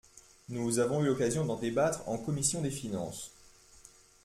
Nous avons eu l’occasion d’en débattre en commission des finances.